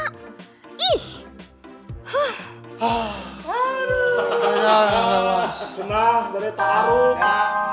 hai hacar autres jemah berita rupa